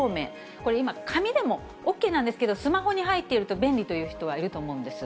これ、今、紙でもＯＫなんですけど、スマホに入っていると便利という人はいると思うんです。